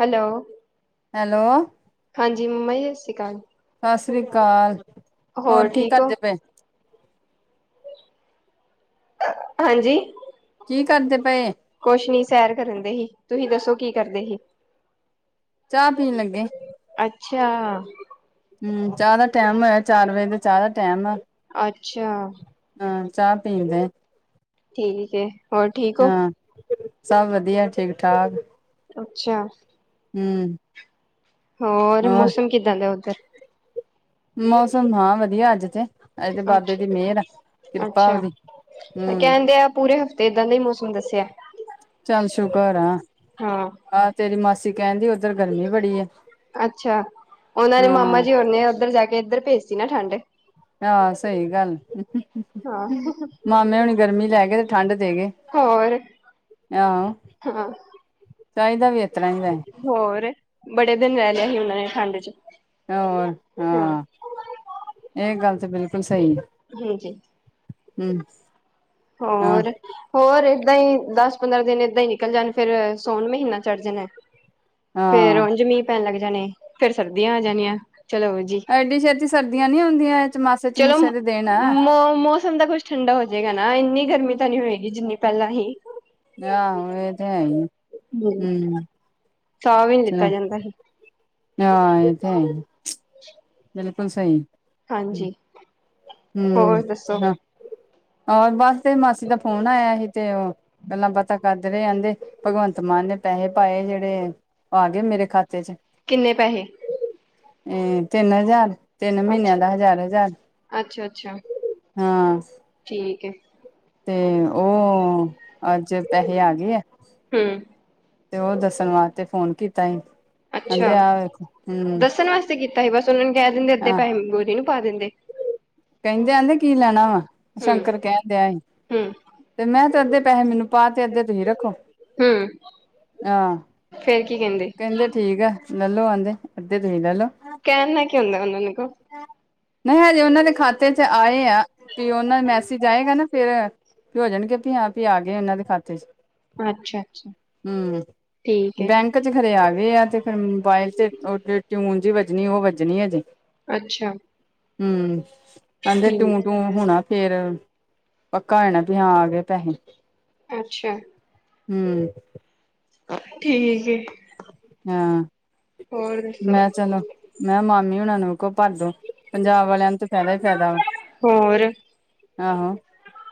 Hello hello. ਹਾਂਜੀ ਮੰਮਾ ਜੀ ਸਤਿ ਸ਼੍ਰੀ ਅਕਾਲ। ਸਤਿ ਸ੍ਰੀ ਅਕਾਲ ਹੋਰ ਕੀ ਠੀਕ ਹੋ ਕਰਦੇ ਪਏ? [unintelligible] ਹਾਂਜੀ। ਕੀ ਕਰਦੇ ਪਏ? ਕੁਛ ਨੀ ਸੈਰ ਕਰਨ ਦੀ ਹੀ ਤੁਸੀਂ ਦੱਸੋ ਕੀ ਕਰਦੇ ਸੀ। ਚਾਹ ਪੀਣ ਲੱਗੇ। ਅੱਛਾ! ਹੂੰ, ਚਾਹ ਦਾ ਟੈਮ ਹੋਇਆ ਚਾਰ ਵਜੇ ਦਾ, ਚਾਹ ਦਾ ਟੈਮ ਆ। ਅੱਛਾ! ਹਾਂ, ਚਾਹ ਪੀਂਦੇ। ਠੀਕ ਏ। ਹਾਂ, ਸਭ ਵਧੀਆ ਠੀਕ-ਠਾਕ। ਅੱਛਾ। ਹੂੰ। ਹੋਰ, ਮੌਸਮ ਕਿੱਦਾਂ ਦਾ ਉੱਧਰ? ਮੌਸਮ ਹਾਂ, ਵਧੀਆ ਅੱਜ ਤੇ। ਅੱਜ ਤੇ ਬਾਬੇ ਅੱਛ- ਦੀ ਮਿਹਰ ਆ ਕਿਰਪਾ ਅੱਛਾ, ਉਹਦੀ ਹਮ ਕਹਿੰਦੇ ਆ ਪੂਰੇ ਹਫਤੇ ਤੇ, ਏਦਾਂ ਦਾ ਹੀ ਮੌਸਮ ਦੱਸਿਆ। ਚੱਲ ਸ਼ੁਕਰ ਆ, ਹਾਂ ਆਹ ਤੇਰੀ ਮਾਸੀ ਕਹਿੰਦੀ ਓਧਰ ਗਰਮੀ ਬੜੀ ਆ। ਅੱਛਾ, ਉਹਨਾਂ ਨੇ ਮਾਮਾ ਹਾਂ ਜੀ ਹੁਨੇ ਉੱਧਰ ਜਾਕੇ, ਇੱਧਰ ਭੇਜਤੀ ਨਾ ਠੰਡ ਆਹ, ਸਹੀ ਗੱਲ ਹਾਂ ਏ। ਮਾਮੇ ਹੁਣੀ ਗਰਮੀ ਲੈ ਗਏ ਤੇ, ਠੰਡ ਦੇ ਗਏ। ਹੋਰ? ਆਹੋ ਹਾਂ। ਚਾਹੀਦਾ ਵੀ ਇਹ ਤਰ੍ਹਾਂ ਹੀ ਵੈਹੇ। ਹੋਰ, ਬੜੇ ਦਿਨ ਰਹਿ ਲਿਆ ਸੀ ਉਹਨਾਂ ਨੇ ਠੰਡ'ਚ? ਹੋਰ, ਹਾਂ। ਇਹ ਗੱਲ ਤਾ ਬਿਲਕੁਲ ਸਹੀ ਹੈ। ਹਾਂਜੀ। ਹੂੰ। ਹੋਰ? ਹੋਰ ਏਦਾਂ ਹੀ, ਦਸ, ਪੰਦਰਾਂ ਦਿਨ ਏਦਾਂ ਹੀ ਨਿਕਲ ਜਾਣ ਫੇਰ, ਸੌਣ ਮਹੀਨਾ ਚੜ ਜਾਣਾ। ਫੇਰ, ਹਾਂ ਉਝ ਮੀਂਹ ਪੈਣ ਲੱਗ ਜਾਣੇ, ਫੇਰ ਸਰਦੀਆਂ ਆ ਜਾਣੀਆਂ, ਚਲੋ ਜੀ ਐਡੀੇ ਛੇਤੀ ਸਰਦੀਆਂ ਨੀ ਆਓਂਦੀਆਂ। ਚਲੋ, ਮੋ, ਮੋ ਮੌਸਮ ਤਾਂ ਕੁਛ ਠੰਡਾ ਹੋ ਜਾਏਗਾ ਨਾ, ਇੰਨੀ ਗਰਮੀ ਤਾਂ ਨਹੀਂ ਹੋਏਗੀ ਜਿੰਨੀ ਪਹਿਲਾਂ ਹੀ। ਆਹੋ, ਇਹ ਤੇ ਹੈਈ, ਹਮ ਹੂੰ ਸਾਹ ਵੀ ਨੀ ਲਿੱਤਾ ਜਾਂਦਾ ਸੀ। ਹਾਂ, ਇਹ ਤਾਂ ਹੈ। ਹ [inaudible] ਬਿਲਕੁਲ ਸਹੀ। ਹਾਂਜੀ। ਹੋਰ ਦੱਸੋ ਹੂੰ, ਹੋਰ ਬਸ ਤੇਰੀ ਮਾਸੀ ਦਾ ਫੋਨ ਆਇਆ ਸੀ, ਤੇ ਉਹ ਗੱਲਾਂ ਬਾਤਾਂ ਕਰਦੇ ਰਹੇ, ਆਂਦੇ ਭਗਵੰਤ ਮਾਨ ਨੇ ਪੈਹੇ ਪਾਏ ਜਿਹੜੇ ਆ ਗਏ ਮੇਰੇ ਖਾਤੇ'ਚ। ਕਿੰਨੇ ਪੈਹੇ? ਇਹ ਤਿੰਨ-ਹਜ਼ਾਰ, ਤਿੰਨ ਮਹੀਨਿਆਂ ਅੱਛਾ ਦਾ ਹਜ਼ਾਰ-ਹਜ਼ਾਰ। ਅੱਛਾ- ਅੱਛਾ। ਹਾਂ। ਠੀਕ ਏ, ਤੇ ਉਹ ਅੱਜ ਪੈਸੇ ਆ ਗਏ ਆ। ਹੂੰ ਤੇ, ਉਹ ਦੱਸਣ ਵਾਸਤੇ ਫੋਨ ਕੀਤਾ ਈ। ਅੱਛਾ। ਦੱਸਣ ਵਾਸਤੇ ਕੀਤਾ ਸੀ, ਬਸ ਉਹਨਾਂ ਨੂੰ ਕਹਿ ਦਿੰਦੇ ਅੱਧੇ ਆਹ ਪੈਹੇ ਗੋਰੀ ਨੂੰ ਪਾ ਦਿੰਦੇ। ਕਹਿੰਦਿਆ ਨ ਕੀ ਲੈਣਾ ਵਾ, ਹਮ ਸ਼ੰਕਰ ਕਹਿਣ ਦਿਆ ਹੀ। ਹਮ ਤੇ, ਮੈਂ, ਤੇ ਅੱਧੇ ਪੈਹੇ ਮੈਨੂੰ ਪਾਤੇ, ਅੱਧੇ ਤੁਹੀ ਰੱਖੋ। ਹੂੰ, ਆਹ ਫਿਰ ਕੀ ਕਹਿੰਦੇ? ਕਹਿੰਦੇ ਠੀਕ ਆ, ਲਲੋ ਆਂਦੇ, ਅੱਧੇ ਤੁਹੀ ਲੈਲੋ। ਕਹਿਣ ਨਾਲ ਕੀ ਹੁੰਦਾ, ਉਹਨਾਂ ਨੁੰ ਕੋ। ਨਹੀਂ ਹਜੇ, ਉਹਨਾਂ ਦੇ ਖਾਤੇ ਚ ਆਏ ਆ, ਤੇ ਉਹਨਾਂ ਮੈਸੇਜ ਆਏਗਾ ਨਾ ਫੇਰ ਵੀ ਹੋ ਜਾਣਗੇ, ਵੀ ਹਾਂ ਵੀ ਆ ਗਏ ਇਹਨਾਂ ਦੇ ਖਾਤੇ ਚ ਅੱਛਾ-ਅੱਛਾ, ਹੂੰ ਠੀਕ ਐ। ਬੈਂਕ, ਚ ਖਰੇ ਆ ਗਏ, ਆ ਤੇ ਫਿਰ ਮੋਬਾਇਲ ਤੇ ਉਹ ਟਿਊਨ ਜੀ ਵੱਜਣੀ ਉਹ ਵੱਜਣੀ ਹੈਜੇ। ਅੱਛਾ, ਹੂੰ, ਕਹਿੰਦੇ ਠੀਕ, ਟੂੰ-ਟੂੰ ਹੋਣਾ। ਫੇਰ ਪੱਕਾ ਹੋਣਾ, ਵੀ ਹਾਂ ਆ ਗਏ ਪੈਸੇ ਅੱਛਾ, ਹੂੰ, ਠੀਕ ਏ, ਹਾਂ ਹੋਰ ਦੱਸੋ? ਮੈਂ ਚਲੋ, ਮੈਂ ਕਿਹਾ, ਮਾਮੀ ਹੁਣ ਨੂੰ ਕੋ ਭਰਦੋ ਪੰਜਾਬ ਵਾਲਿਆਂ ਨੂੰ ਤਾਂ ਫਾਇਦਾ ਹੀ ਫਾਇਦਾ। ਹੋਰ, ਆਹੋੋ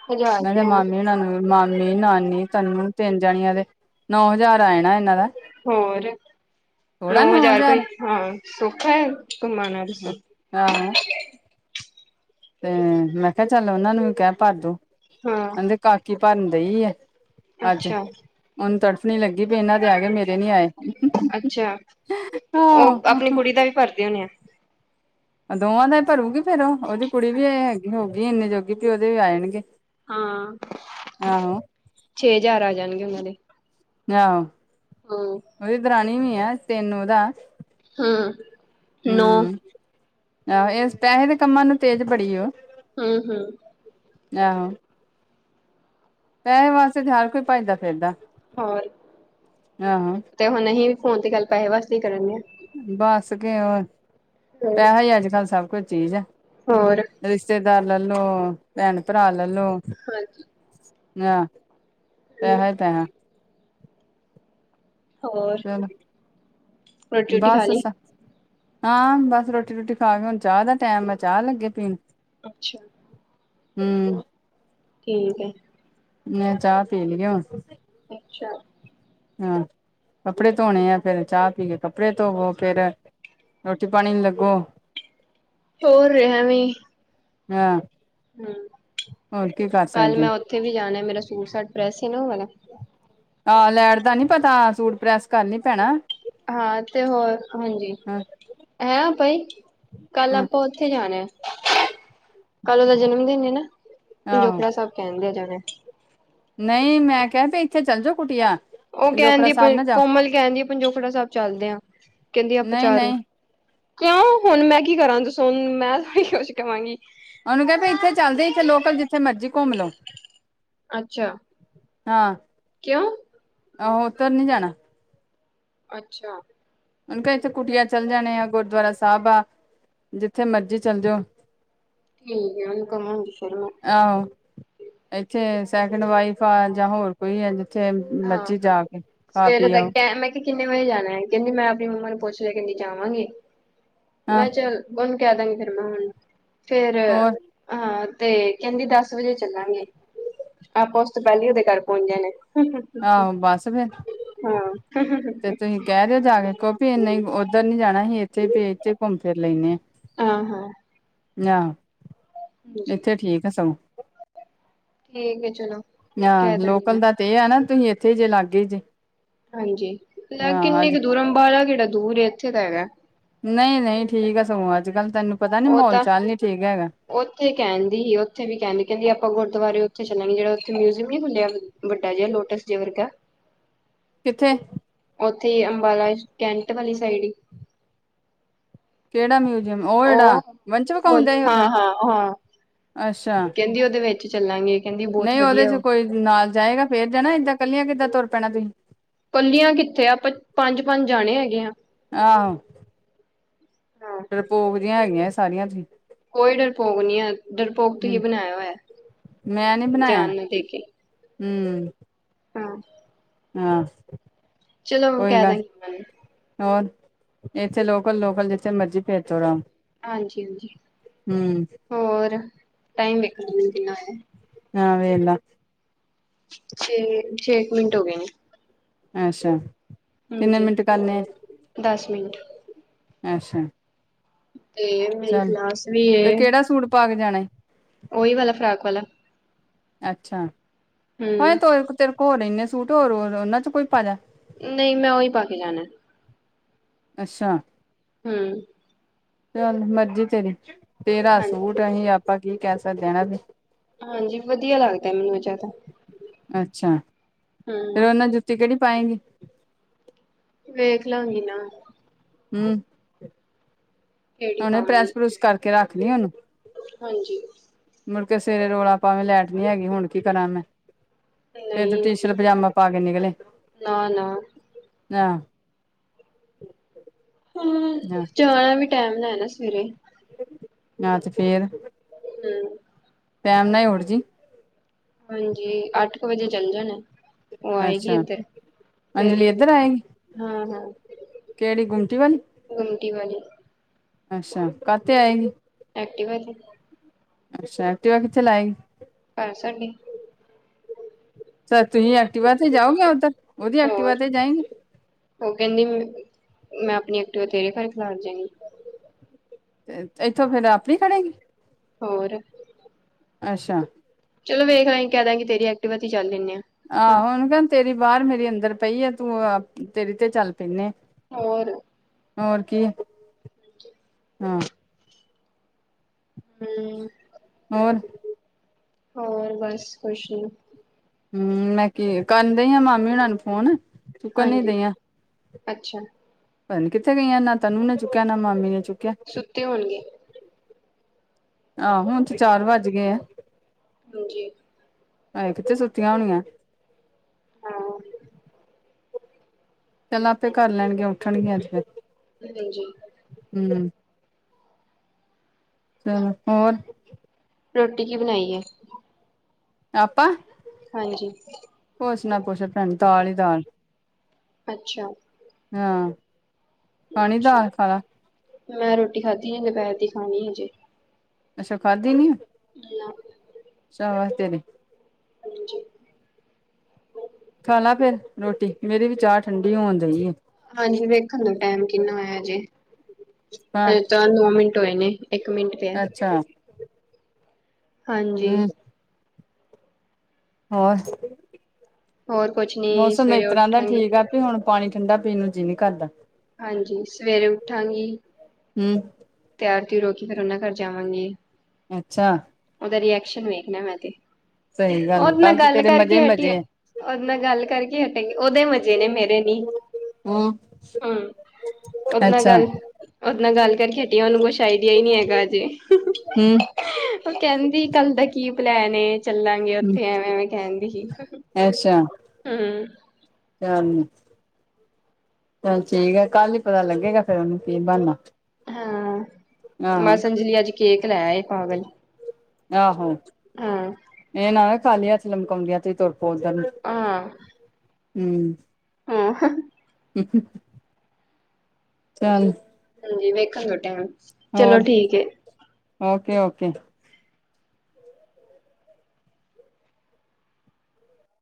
ਹਜ਼ਾਰ ਮੈਂਰੇ ਰੁਪਇਆ, ਮਾਮੇ ਨਾਲ ਨੂੰ ਮਾਮੀ, ਨਾਨੀ ਤਨੂੰ ਤਿੰਨ ਜਾਣਿਆਂ ਦੇ ਨੌ ਹਜ਼ਾਰ ਆਏ ਨਾ ਇਹਨਾਂ ਦਾ ਹੋਰ ਨੋ ਥੋੜਾ ਨੌ ਹਜ਼ਾਰ ਕੋਈ ਹਾਂ ਸੌਖਾ ਹੈ, ਘੁੰਮਾਣਾ ਤਾਂ ਸੌਖਾ ਹਾਂ, ਤੇ ਮੈਂ ਕਿਹਾ ਚੱਲ ਉਹਨਾ ਨੂੰ ਵੀ ਕਹਿ ਭਰਦੋ ਹਾਂ, ਕਹਿੰਦੇ ਕਾਕੀ ਭਰਨ ਦੇਈ ਆ। ਅੱਜ ਅੱਛਾ, ਉਹਨੂੰ ਤੜਫਨੀ ਲੱਗੀ, ਵੀ ਇਹਨਾਂ ਦੇ ਆ ਗਏ ਮੇਰੇ ਨੀ ਆਏ। ਅੱਛਾ, ਉਹ ਆਹ ਆਪਣੀ ਕੁੜੀ ਦਾ ਵੀ ਭਰਦੇ ਹੋਦੇ ਆ। ਦੋਵਾਂ ਦਾ ਹੀ ਭਰੂਗੀ ਫੇਰ ਉਹਦੀ ਕੁੜੀ ਵੀ ਇਹ ਹੈਗੀ, ਹੋਗੀ ਇੰਨੀ ਜੋਗੀ ਤੇ ਉਹਦੇ ਵੀ ਆ ਜਾਣਗੇ। ਹਾਂ, ਆਹੋ ਛੇ ਹਜਾਰ ਆ ਜਾਣਗੇ ਉਹਨਾਂ ਦੇ ਆਹੋ ਹੂੰ, ਉਹਦੀ ਦਰਾਣੀ ਵੀ ਹੇ [unintelligible] ਉਦਾ ਨੌ ਹੂੰ, ਆਹੋ ਇਸ ਪੈਸੇ ਦੇ ਕੰਮਾਂ ਨੂੰ ਤੇਜ਼ ਬੜੀ ਉਹ ਹੂੰ-ਹੂੰ। ਆਹੋ। ਪੈਸੇ ਵਾਸਤੇ ਤੇ ਹਰ ਕੋਈ ਭੱਜਦਾ-ਫਿਰਦਾ। ਹੋਰ ਤੇ ਹੁਣ ਅਸੀਂ ਵੀ ਫੋਨ ਤੇ ਗੱਲ ਪੈਸੇ ਵਾਸਤੇ ਹੀ ਕਰਨ ਦੇ ਆ। ਬਸ ਕਿ ਹੋਰ, ਆ, ਪੈਸਾ ਹੀ ਅੱਜ-ਕੱਲ ਸਭ ਕੁਝ ਚੀਜ਼ ਹੈ। ਹੋਰ। ਰਿਸ਼ਤੇਦਾਰ ਲੈਲੋ, ਭੈਣ ਭਰਾ ਲੈਲੋ। ਹਾਂਜੀ, ਨਾ ਪੈਹਾ, ਪੈਹਾ। ਹੋਰ ਚਲੋ, ਰੋਟੀ ਰੂਟੀ ਖਾ ਬਾਸ। ਲਈ? ਹਾਂ ਬਸ ਰੋਟੀ ਰੋਟੀ ਖਾ ਕੇ ਹੁਣ ਚਾਹ ਦਾ ਟੈਮ ਆ ਚਾਹ ਲੱਗੇ ਪੀਣ ਅੱਛਾ, ਹੂੰ, ਠੀਕ ਹੈ, ਮੈਂ ਚਾਹ ਪੀ ਲਈ ਐ। ਅੱਛਾ, ਹਾਂ ਕੱਪੜੇ ਧੋਣੇ ਆ, ਫੇਰ ਚਾਹ ਪੀ ਕੇ ਕੱਪੜੇ ਧੋਵੋ ਫੇਰ ਰੋਟੀ ਪਾਣੀ 'ਚ ਲੱਗੋ। ਹੋਰ ਐਵੀ ਆ [inaudible] ਹੂੰ ਕੱਲ ਮੈਂ ਸਕਦੇ ਉੱਥੇ ਵੀ ਜਾਣਾ ਮੇਰਾ ਸੂਟ-ਸਾਟ ਪ੍ਰੈਸ ਸੀ ਨਾ ਓਹ ਵਾਲਾ। ਆਹ ਲੈਟ ਦਾ ਨੀ ਪਤਾ ਸੂਟ ਪ੍ਰੈਸ ਕਰਲੀ ਪੈਣਾ। ਹਾਂ ਤੇ ਹੋਰ ਹਾਂਜੀ, ਹਾਂ ਹੈਂ ਭਾਈ ਕੱਲ ਹਾਂ ਆਪਾ ਕਿੱਥੇ ਜਾਣਾ ਕੱਲ ਉਹਦਾ ਜਨਮ ਦਿਨ ਹੈ ਨਾ, ਆਹੋ ਪੰਜੋਕੜਾ ਸਾਹਿਬ। ਕਹਦੇ ਜਨੇ। ਨਹੀਂ ਮੈਂ ਕਿਹਾ ਵੀ ਇੱਥੇ ਚੱਲ ਜਾਓ ਕੁਟਿਆ। ਉਹ ਕਹਿਣਦੀ ਪਈ, ਕੋਮਲ ਕਹਿੰਦੀ ਪੰਜੋਖੜਾ ਸਾਹਿਬ ਚੱਲਦੇ ਆ, ਕਹਦੀ ਆਪਾ ਨਹੀਂ ਚਾਰੋ। ਨਹੀਂ ਕਿਉਂ ਹੁਣ ਮੈਂ ਕੀ ਕਰਾਂ, ਦੱਸੋ ਹੁਣ ਮੈਂ ਥੋੜੀ ਕੁਛ ਕਵਾਂਗੀ। ਉਹਨੂੰ ਕਹੋ ਬਈ ਇੱਥੇ ਚਲਦੇ, ਇਥੇ ਲੋਕਲ ਜਿੱਥੇ ਮਰਜ਼ੀ ਘੁੰਮਲੋ। ਅੱਛਾ। ਹਾਂ। ਕਿਉ ਆਹੋ ਉਧਰ ਨੀ ਜਾਣਾ। ਅੱਛਾ। ਉਹਨੂ ਕਿਹਾ ਇੱਥੇ ਕੁਟਿਆ ਚੱਲ ਜਾਣੇ ਆ ਗੁਰਦੁਆਰਾ ਸਾਹਿਬ ਆ ਜਿੱਥੇ ਮਰਜੀ ਚੱਲ ਜਾਓ। ਠੀਕ ਹੈ ਉਹਨੂੰ ਕਵਾਂਗੀ ਫਿਰ ਮੈਂ ਆਹੋ ਇੱਥੇ ਸੈਕਿੰਡ ਵਾਈਫ ਆ ਜਾਂ ਹੋਰ ਕੋਈ ਆ ਜਿੱਥੇ ਹਾਂ ਮਰਜੀ ਜਾ ਕੇ ਖਾ ਸਵੇਰੇ ਪੀ ਤੱਕ ਆਓ। ਕ ਮੈਂ ਕਿੰਨੇ ਵਜੇ ਜਾਣਾ ਹੈ ਕਹਦੀ ਮੈਂ ਆਪਣੀ ਮੰਮਾ ਨੂੰ ਪੁੱਛ ਲਿਆ ਕਹਦੀ ਜਾਵਾਂਗੀ ਹਾਂ ਮੈਂ ਚੱਲ ਹੁਣ ਕਹਿ ਦਾਂਗੇ ਤੇਰੀ ਮੰਮਾ ਨੂੰ ਫੇਰ ਹੋਰ ਹਾਂ ਤੇ ਕਹਿੰਦੀ ਦਸ ਵਜੇ ਚੱਲਾਂਗੇ। ਆਪਾਂ ਉਸ ਤੋਂ ਪਹਲੈ ਉਹਦੇ ਘਰ ਪਹੁੰਚ ਜਾਨਾ ਹਾ ਬੱਸ ਫੇਰ ਹਾਂ [inaudible] ਤੇ ਤੁਸੀਂ ਕਹਿ ਦਿਓ ਜਾ ਕੇ ਕਿਉਕਿ ਨਹੀ ਉਧਰ ਨੀ ਜਾਣਾ ਅਸੀ ਇੱਥੇ ਹੀ ਇਥੇ ਹੀ ਘੁੰਮ ਫਿਰ ਲੈਂਣੇ ਆ। ਹਾਂ -ਹਾਂ। ਅਹਾ ਹਾਂਜੀ ਇੱਥੇ ਠੀਕ ਆ ਸਗੋਂ। ਠੀਕ ਏ ਚਲੋ। ਆ ਕਹਿ ਦਾਂਗੀ ਲੋਕਲ ਮੈਂ ਦਾ ਤੇ ਇਹ ਏ ਨਾ ਤੁਸੀਂ ਇੱਥੇ ਜੇ ਲਾਗੇ ਜੇ ਹਾਂਜੀ ਹਾਂ ਕਿੰਨੇ ਅੱਜ ਕ ਦੂਰ ਅੰਬਾਲਾ ਕਿਹੜਾ ਦੂਰ ਏ ਇੱਥੇ ਤਾਂ ਹੈਗਾ। ਨਹੀਂ- ਨਹੀਂ ਠੀਕ ਆ ਸਗੋਂ ਅੱਜ ਕੱਲ ਤੈਨੂੰ ਪਤਾ ਨੀ ਉਹ ਮਹੋਲ ਤਾਂ ਚਾਲ ਨੀ ਠੀਕ ਹੈਗਾ। ਉੱਥੇ ਕਹਿੰਦੀ ਸੀ ਉੱਥੇ ਵੀ ਕਹਿੰਦੀ -ਕਹਿੰਦੀ ਆਪਾਂ ਗੁਰਦੁਆਰੇ ਉਥੇ ਚਲਾਂਗੇ ਜਿਹੜਾ ਉੱਥੇ ਮਿਊਜ਼ੀਅਮ ਨੀ ਖੁੱਲਿਆ। ਵੱਡਾ ਜਿਹਾ ਲੋਟਸ ਜਿਹੇ ਵਰਗਾ ਕਿੱਥੇ ਉੱਥੇ ਹੀ ਅੰਬਾਲਾ ਕੈਂਟ ਵਾਲੀ ਸਾਈਡ ਹੀ ਕਿਹੜਾ ਮਿਊਜ਼ਅਮ ਉਹ ਜਿਹੜਾ ਵੰਨਸ ਵਿਖਾਉਣ ਫੁੱਲ ਦਿਆਂ ਸੀ ਹਾਂ ਓਦਨ ਹਾਂ ਹਾਂ ਅੱਛਾ ਕਹਿੰਦੀ ਉਹਦੇ ਵਿੱਚ ਚੱਲਾਂਗੇ। ਕਹਿੰਦੀ ਬਹੁਤ ਨਹੀਂ ਉਹਦੇ ਵਧੀਆ 'ਚ ਉਹ ਕੋਈ ਨਾਲ ਜਾਏਗਾ ਫੇਰ ਜਾਣਾ ਏਦਾਂ ਕੱਲੀਆਂ ਕਿੱਦਾਂ ਤੁਰ ਪੈਣਾ ਤੁਸੀਂ ਕੱਲੀਆਂ ਕਿੱਥੇ ਆਪਾਂ ਪੰਜ -ਪੰਜ ਜਾਣੇ ਹੈਗੇ ਆ। ਆਹੋ ਹਾਂ ਡਰਪੋਕ ਜੀਆ ਹੈਗੀਆਂ ਸਾਰੀਆਂ ਤੁਸੀ ਕੋਈ ਡਰਪੋਕ ਨਹੀ ਹੈ ਡਰਪੋਕ ਤੁਸੀ ਹੂੰ ਬਣਾਇਆ ਹੋਇਆ ਮੈਂ ਨੀ ਬਣਾਇਆ ਜਾਣ ਨੂੰ ਦੇ ਕੇ ਹੂੰ ਹਾਂ ਹਾਂ। ਚਲੋ ਕੋਈ ਕਹਿ ਗੱਲ ਦਾਂਗੀ ਓਹਨੂੰ ਹੋਰ ਇੱਥੇ ਲੋਕਲ- ਲੋਕਲ ਜਿੱਥੇ ਮਰਜ਼ੀ ਫਿਰ ਤੁਰ ਆਉ। ਹਾਂਜੀ -ਹਾਂਜੀ ਹੋਰ ਟਾਈਮ ਵੇਖ ਲੋ ਕਿਨਾਂ ਹੋਇਆ। ਹਾਂ, ਵੇਖਲਾ। ਛੇ-ਛੇ ਕ ਮਿੰਟ ਹੋ ਗਏ ਨੇ। ਅੱਛਾ, ਕਿੰਨੇ ਹਾਂਜੀ ਮਿੰਟ ਕਰਨੇ ਦਸ ਮਿੰਟ ਅੱਛਾ ਤੇ ਮੇਰੀ ਚੱਲ ਕਲਾਸ ਵੀ ਤੇ ਏ ਕਿਹੜਾ ਸੂਟ ਪਾ ਕੇ ਜਾਣਾ ਉਹੀ ਵਾਲਾ ਫਰਾਕ ਵਾਲਾ ਅੱਛਾ ਭਾਵੇ ਹੂੰ ਤ ਤੇਰੇ ਕੋ ਹੋਰ ਇੰਨੇ ਸੂਟ ਹੋਰ ਹੋਰ ਉਹਨਾਂ 'ਚੋ ਕੋਈ ਪਾ ਜਾ। ਨਹੀਂ ਮੈਂ ਉਹੀ ਪਾ ਕੇ ਜਾਣਾ। ਅੱਛਾ ਹੂੰ ਚੱਲ ਮਰਜੀ ਤੇਰੀ ਤੇਰਾ ਹਾਂਜੀ ਸੂਟ ਅਹੀ ਆਪਾਂ ਕੀ ਕਹਿ ਸਕਦੇ ਆ ਹੈਨਾ ਬਈ। ਹਾਂਜੀ ਵਧੀਆ ਲੱਗਦਾ ਮੈਨੂੰ ਇਹ ਜ਼ਿਆਦਾ ਅੱਛਾ, ਫਿਰ ਹੂੰ ਉਹਦੇ ਨਾਲ ਜੁੱਤੀ ਕਿਹੜੀ ਪਾਏਗੀ। ਵੇਖ ਲਾਂਗੀ ਨਾ ਹੂੰ, ਕਿਹੜੀ ਐਨੇ ਪ੍ਰੈਸ ਪਾਵਾਂਗੀ ਪਰੂਸ ਕਰਕੇ ਰੱਖ ਲਈ ਉਹਨੂੰ ਹਾਂਜੀ, ਮੁੜਕੇ ਸਵੇਰੇ ਰੋਲਾ ਭਾਵੇਂ ਲੈਟ ਨੀ ਹੈਗੀ ਹੁਣ ਕੀ ਕਰਾਂ ਮੈਂ ਫਿਰ ਤੂੰ ਨਹੀਂ ਟੀ ਸ਼ਰਟ ਪਜਾਮਾ ਪਾ ਕੇ ਨਿਕਲੇ। ਨਾ ਨਾ ਹਾਂ, ਹੂੰ [unintelligible] ਵੀ ਟਾਈਮ ਲੈਣੇ ਸਵੇਰੇ ਆਹ ਤੇ ਫੇਰ ਹੂੰ, ਟੈਮ ਨਾਲ ਈ ਉਠੱ ਜੀ। ਹਾਂਜੀ, ਅੱਠ ਕ ਵਜੇ ਚੱਲ ਜਾਣਾ। ਉਹ ਆਏਗੀ ਅੱਛਾ ਇੱਧਰ ਫੇਰ ਅੰਜਲੀ ਇੱਧਰ ਆਏਗੀ ਹਾਂ-ਹਾਂ ਕਿਹੜੀ ਗੁੰਮਟੀ ਵਾਲੀ ਗੁੰਮਟੀ ਵਾਲੀ, ਅੱਛਾ ਕਾਤੇ ਆਏਗੀ। ਐਕਟੀਵਾ ਤੇ। ਅੱਛਾ, ਐਕਟੀਵਾ ਕਿੱਥੇ ਲਾ ਆਈ। ਘਰ ਸਾਡੇ ਤਾਂ ਤੁਸੀਂ ਐਕਟੀਵਾ ਤੇ ਜਾਓ ਗਈਆਂ ਉੱਧਰ ਉਹਦੀ ਹੋਰ ਐਕਟੀਵਾ ਤੇ ਜਾਏਗੀ। ਉਹ ਕਹਿੰਦੀ ਮ‌ ਮੈਂ ਆਪਣੀ ਐਕਟੀਵਾ ਤੇਰੇ ਘਰ ਖਲਾਰ ਜਾਗੀ। ਤੇ ਇੱਥੋਂ ਫੇਰ ਆਪਣੀ ਖੜੇਗੀ। ਹੋਰ। ਅੱਛਾ। ਚਲੋਂ ਵੇਖ ਲਾਂਗੀ ਕਹਿ ਦਾਂਗੀ ਤੇਰੀ ਐਕਟੀਵਾ ਤੇ ਚੱਲ ਲੈਣੇ ਆ। ਹਾਂ ਆਹੋ ਉਹਨੂੰ ਕਹਿ ਤੇਰੀ ਬਾਹਰ ਮੇਰੀ ਅੰਦਰ ਪਈ ਆ। ਤੂੰ ਤੇਰੀ ਤੇ ਚੱਲ ਪੈਨੇ ਆ। ਹੋਰ। ਹੋਰ ਕੀ ਹੂੰ, ਹੂੰ। ਹੋਰ। ਹੋਰ ਬਸ ਕੁੱਛ ਨੀਂ। ਹੂੰ, ਮੈਂ ਕੀ ਕਰਨ ਡਈ ਆ ਮਾਮੇ ਹੁਣਾ ਨੂੰ ਫ਼ੋਨ। ਚੁੱਕਣ ਨੀ ਹਾਂਜੀ ਦਈਆਂ। ਅੱਛਾ ਪਤਾ ਨੀ ਕਿੱਥੇ ਗਈਆਂ। ਨਾ ਤਨੂੰ ਨੇ ਚੁੱਕਿਆਂ ਨਾ ਮਾਮੀ ਨੇ ਚੁੱਕਿਆ। ਸੁੱਤੇ ਹੋਣਗੇ। ਆਹੋ ਹੁਣ ਤਾਂ ਚਾਰ ਵੱਜ ਗਏ ਆ ਹਾਂਜੀ ਅਹੇ ਕਿੱਥੇ ਸੁੱਤੀਆਂ ਹੋਣੀਆਂ ਹੂੰ। ਮਤੇ ਕਰ ਲੈਣਗੀਆਂ ਉੱਠਣਗੀਆਂ ਤੇ ਫ਼ਿਰ। ਹਾਂਜੀ। [unintelligible] ਚਲੋਂ, ਹੋਰ ਰੋਟੀ ਕੀ ਬਣਾਈ ਐ। ਆਪਾਂ। ਹਾਂਜੀ। ਕੁੱਛ ਨਾ ਪੁੱਛ ਭੈਣ ਦਾਲ ਈ ਦਾਲ। ਅੱਛਾ। ਹਾਂ, ਖਾਣੀ ਅੱਛਾ ਦਾਲ ਖਾਲਾ। ਮੈਂ ਰੋਟੀ ਖਾਧੀ ਆ। ਦੁਪਹਿਰ ਦੀ ਖਾਣੀ ਹਜੇ। ਅੱਛਾ ਖਾਧੀ ਨੀ। [inaudible] ਸ਼ਾਬਾਂਸ ਤੇਰੇ। ਹਾਂਜੀ। ਖਾ ਲਾ ਫ਼ਿਰ ਰੋਟੀ। ਮੇਰੀ ਵੀ ਚਾਹ ਠੰਡੀ ਹੋਣ ਡਈ ਹੈਂ। ਹਾਂਜੀ ਵੇਖਣ ਟਾਈਮ ਕਿੰਨਾਂ ਹੋਇਆ ਜੇ। ਹਾਂ ਅਜੇ ਤਾਂ ਨੋ ਮਿੰਟ ਹੋਏ ਨੇਂ। ਇੱਕ ਮਿੰਟ ਪਿਆ। ਅੱਛਾ। ਹਾਂਜੀ। ਹੂੰ ਹੋਰ ਹੋਰ ਕੁਛ ਨੀ ਮੌਸਮ ਸਵੇਰੇ ਇਸ ਤਰ੍ਹਾਂ ਦਾ ਉੱਠਾਂਗੀ ਠੀਕ ਆ। ਹੁਣ ਪਾਣੀ ਠੰਢਾ ਪੀਣ ਨੂੰ ਜੀਅ ਨੀਂ ਕਰਦਾਂ। ਹਾਂਜੀ ਸਵੇਰੇ ਉੱਠਾਂਗੀ। ਹਮ। ਤਿਆਰ ਤਿਊਰ ਹੋਕੇ ਫ਼ਿਰ ਉਹਨਾਂ ਘਰ ਜਾਂਵਾਂਗੇ। ਅੱਛਾ। ਉਹਦਾ ਰੀਐਕਸ਼ਨ ਵੇਖਣਾਂ ਮੈਂ ਤੇ। ਸਹੀ ਗੱਲ ਉਹਦੇ ਨਾਲ਼ ਕੱਲ ਤੇ ਗੱਲ ਤੇਰੇ ਮਜ਼ੇ ਕਰਕੇ ਹਟੀ ਆ। ਮਜ਼ੇ ਉਹਦੇ ਨਾਲ਼ ਗੱਲ ਕਰਕੇ ਹਟੇਗੀ। ਉਹਦੇ ਮਜ਼ੇ ਨੇਂ ਮੇਰੇ ਨੀਂ। ਹੂੰ। ਹਮ। ਉਦੇ ਨਾਲ਼ ਗੱਲ ਉਦੇ ਨਾਲ਼ ਗੱਲ਼ ਕਰਕੇ। ਹਟੀ ਉਹਨੂੰ ਕੁੱਛ ਆਈਡੀਆ ਨੀਂ ਹੈਗਾ ਅਜੇ। ਹਮ ਉਹ ਕਹਿੰਦੀ ਕੱਲ ਦਾ ਕੀ ਪਲੈਨ ਏ ਚੱਲਾਂਗੇ ਉੱਥੇ ਐਵੇਂਵੇਂ ਕਹਣਦੀ ਸੀ ਅੱਛਾ ਹਮ ਚੱਲ ਚੱਲ ਠੀਕ ਆ ਕੱਲ ਹੀ ਪਤਾ ਲੱਗੇਗਾ ਫੇਰ ਉਹਨੂੰ ਕੀ ਬਣਨਾ ਹਾਂਮੈ ਆਹੋ ਸਮਝੀ ਅਜ ਅੱਜ ਕੇਕ ਲੈ ਇਹ ਪਾਗਲ ਆਹੋ ਹਾਂ ਇਹ ਨਾ ਹੋਵੇ ਖਾਲੀ ਚ ਲਮਕਾਉਂਦੀਆਂ ਤੇ ਤੁਰ ਪਓ ਨੂੰ ਹਾਂ ਹਮ [unintelligible] ਚੱਲ। ਹਾਂਜੀ ਵੇਖਣ ਦੋ ਟਾਇਮ। ਹੋਰ। Okay okay.